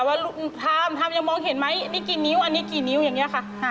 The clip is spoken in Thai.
ว่าทำยังมองเห็นไหมนี่กี่นิ้วอันนี้กี่นิ้วยังนี้ค่ะ